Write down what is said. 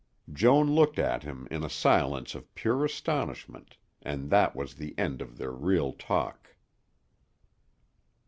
Joan looked at him in a silence of pure astonishment and that was the end of their real talk.